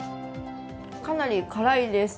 かなり辛いです。